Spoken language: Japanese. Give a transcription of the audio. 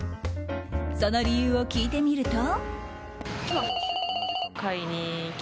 その理由を聞いてみると。